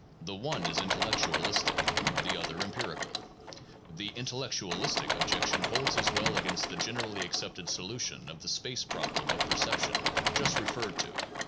The one is intellectualistic, the other empirical. The intellectualistic objection holds as well against the generally accepted solution of the space problem of perception just referred to.